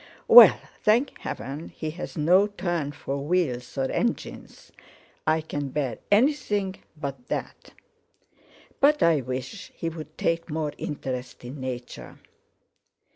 "Well, thank heaven he's no turn for wheels or engines! I can bear anything but that. But I wish he'd take more interest in Nature."